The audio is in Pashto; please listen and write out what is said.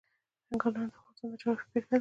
چنګلونه د افغانستان د جغرافیې بېلګه ده.